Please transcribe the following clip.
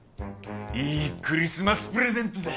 いいクリスマスプレゼントだ。